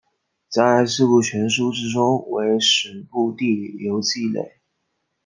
在四库全书之中为史部地理游记类。